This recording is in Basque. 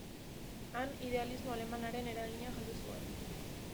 Han idealismo alemanaren eragina jaso zuen.